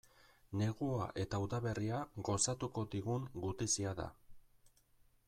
Negua eta udaberria gozatuko digun gutizia da.